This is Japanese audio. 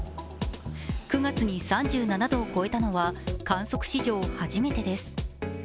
９月に３７度を超えたのは、観測史上初めてです。